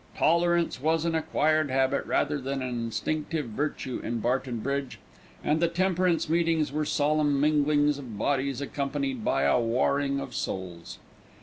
Tolerance was an acquired habit rather than an instinctive virtue in Barton Bridge, and the temperance meetings were solemn minglings of bodies accompanied by a warring of souls.